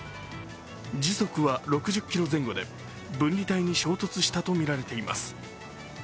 時速は６０キロ前後で分離帯に衝突したとみられています。